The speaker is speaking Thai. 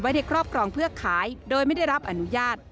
ในครอบครองเพื่อขายโดยไม่ได้รับอนุญาต